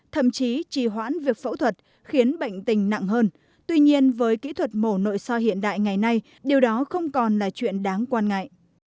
thậm chí trì hoãn việc phẫu thuật khiến bệnh tình nặng hơn tuy nhiên với kỹ thuật mổ nội so hiện đại ngày nay điều đó không còn là chuyện đáng quan ngại